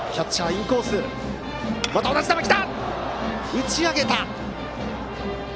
打ち上げた。